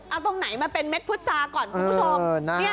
เอาตรงไหนมาเป็นเม็ดพุษาก่อนคุณผู้ชม